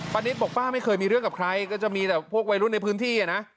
นิดบอกป้าไม่เคยมีเรื่องกับใครก็จะมีแต่พวกวัยรุ่นในพื้นที่อ่ะนะ